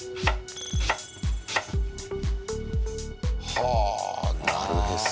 はあ、なるへそ。